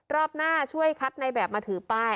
รอบหน้าช่วยคัดในแบบมาถือป้าย